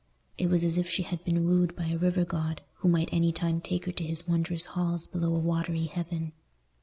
It was as if she had been wooed by a river god, who might any time take her to his wondrous halls below a watery heaven.